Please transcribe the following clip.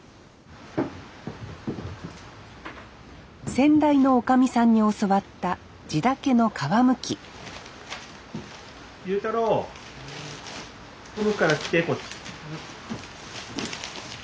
先代のおかみさんに教わったジダケの皮むき悠太郎から来てこっち。